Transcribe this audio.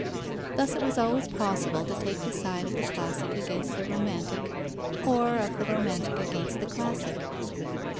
Thus it was always possible to take the side of the classic against the romantic, or of the romantic against the classic.